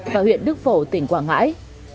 và huyện đức phổ tỉnh quảng ngãi